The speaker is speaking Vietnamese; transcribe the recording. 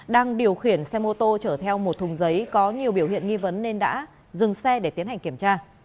đang điều khiển xe mô tô chở theo một thùng giấy có nhiều biểu hiện nghi vấn nên đã dừng xe để tiến hành kiểm tra